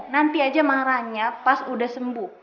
nanti aja mangranya pas udah sembuh